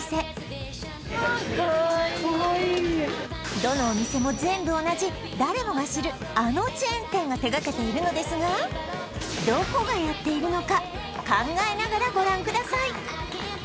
どのお店も全部同じ誰もが知るあのチェーン店が手がけているのですがどこがやっているのか考えながらご覧ください